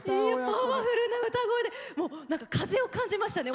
パワフルな歌声で風を感じましたね